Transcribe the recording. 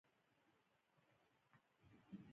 مچان کله پر جامو کښېني